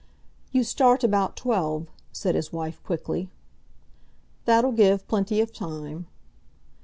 "You start about twelve," said his wife quickly. "That'll give plenty of time."